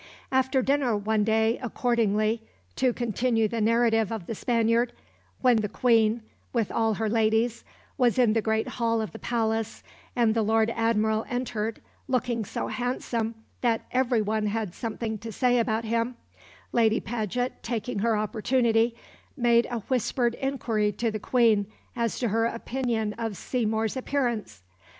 After dinner one day, accordingly to continue the narrative of the Spaniard when the Queen, with all her ladies, was in the great hall of the palace, and the Lord Admiral entered, "looking so handsome that every one had something to say about him," Lady Paget, taking her opportunity, made a whispered inquiry to the Queen as to her opinion of Seymour's appearance.